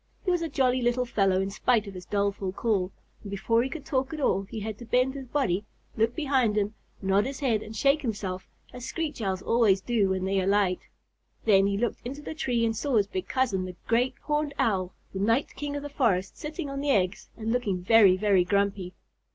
He was a jolly little fellow in spite of his doleful call, and before he could talk at all he had to bend his body, look behind him, nod his head, and shake himself, as Screech Owls always do when they alight. Then he looked into the tree and saw his big cousin, the Great Horned Owl, the night king of the forest, sitting on the eggs and looking very, very grumpy.